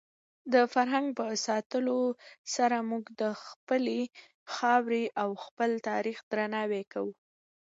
د فرهنګ په ساتلو سره موږ د خپلې خاورې او خپل تاریخ درناوی کوو.